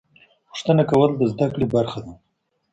پوښتنه کول د زده کړې برخه ده.